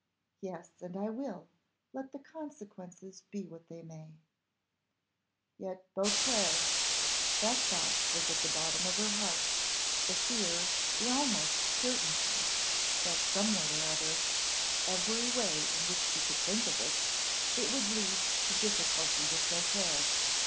Yes, and I will, let the consequences be what they may." Yet Beauclerc! that thought was at the bottom of her heart; the fear, the almost certainty, that some way or other every way in which she could think of it, it would lead to difficulty with Beauclerc.